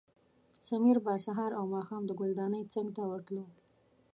سمیر به سهار او ماښام د ګلدانۍ څنګ ته ورتلو.